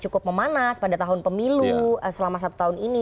cukup memanas pada tahun pemilu selama satu tahun ini